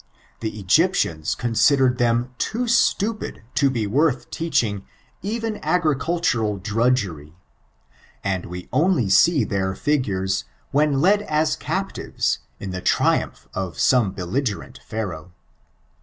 The Egyptians considered them too stapid to be worth teaching even agricaltaral drudgery ; and we only see their figures when led as captivea in the triamph of some belligerent Pharaoh.